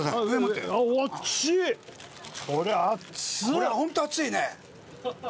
これホント熱いね。